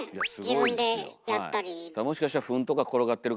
自分でやったり。